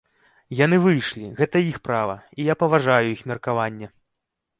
Яны выйшлі, гэта іх права, і я паважаю іх меркаванне.